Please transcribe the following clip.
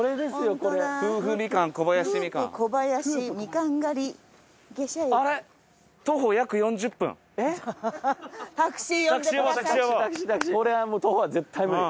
これは徒歩は絶対無理。